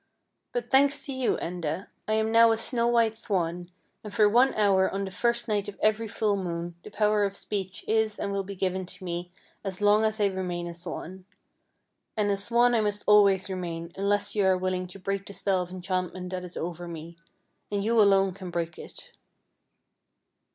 But, thanks to you, Enda, I am now a snow white swan, and for one hour on the first night of every full moon the power of speech is and will be given to me as long as I remain a swan. And a swan I must always remain, unless you are willing to break the spell of enchantment that is over me; and you alone can break it."